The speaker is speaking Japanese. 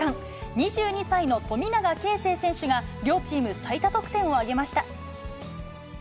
２２歳の富永啓生選手が両チーム最多得点を挙げました。